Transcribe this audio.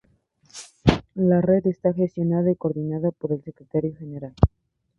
La red está gestionada y coordinada por el Secretario General.